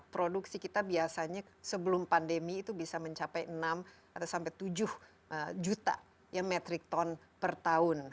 produksi kita biasanya sebelum pandemi itu bisa mencapai enam atau sampai tujuh juta metric ton per tahun